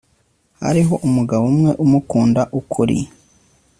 Hariho umugabo umwe umukunda ukuri